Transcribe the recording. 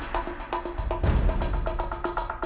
กินไก่ไม่เซ็กแล้วครับ